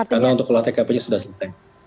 karena untuk keluar tkp sudah selesai